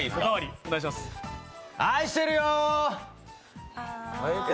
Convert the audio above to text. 愛してるよー。